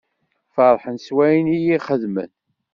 Ferḥen s wayen iyi-xedmen.